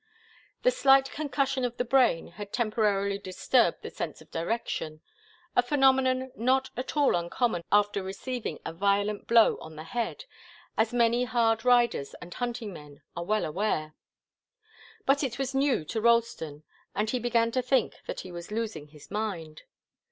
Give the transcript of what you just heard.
The slight concussion of the brain had temporarily disturbed the sense of direction, a phenomenon not at all uncommon after receiving a violent blow on the head, as many hard riders and hunting men are well aware. But it was new to Ralston, and he began to think that he was losing his mind.